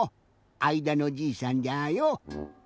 あいだのじいさんじゃよ。